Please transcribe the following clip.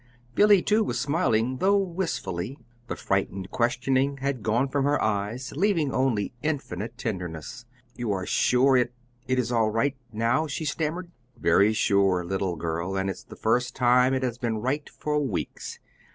Billy, too, was smiling, though wistfully. The frightened questioning had gone from her eyes, leaving only infinite tenderness. "You are sure it it is all right now?" she stammered. "Very sure, little girl; and it's the first time it has been right for weeks.